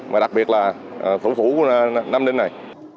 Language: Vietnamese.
và đặc biệt là phủ phủ của nam ninh này